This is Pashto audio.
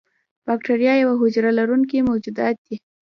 بکتیریا یوه حجره لرونکي موجودات دي.